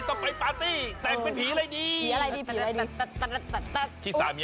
โอ้โฮนรกเกิดคุณก็ขึ้นมาเสร็จแล้ว